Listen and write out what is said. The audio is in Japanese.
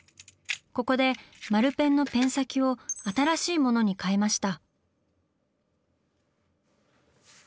ここで丸ペンのペン先を新しい物に替えました。